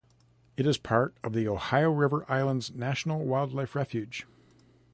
It is part of the Ohio River Islands National Wildlife Refuge.